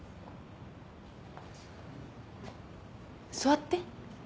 座って。